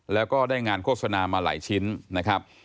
แล้วก็ได้งานโฆษณามาหลายชิ้นนะครับ